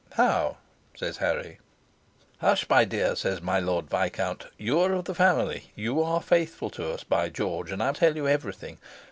"How?" says Harry. "Hush, my dear!" says my Lord Viscount. "You are of the family you are faithful to us, by George, and I tell you everything.